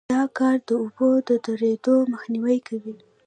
دا کار د اوبو د درېدو مخنیوی کوي